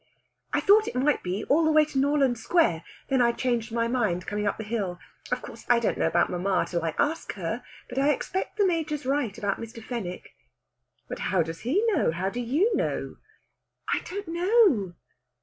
"I thought it might be, all the way to Norland Square. Then I changed my mind coming up the hill. Of course, I don't know about mamma till I ask her. But I expect the Major's right about Mr. Fenwick." "But how does he know? How do you know?" "I don't know."